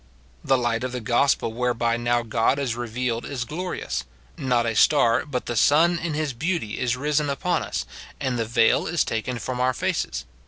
The light of the gospel whereby now God is revealed is glorious ; not a star, but the sun in his beauty is risen upon us, and the veil is taken from our faces.